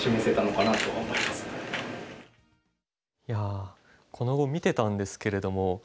いやこの碁見てたんですけれども。